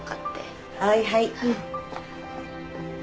はいはい。